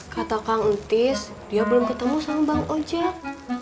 kata kang utis dia belum ketemu sama bang ojak